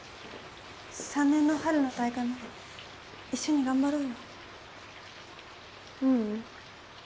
３年の春の大会まで一緒に頑張ろうよううん